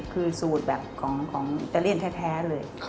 คือสูตรแบบของอิตาเลียนแท้เลย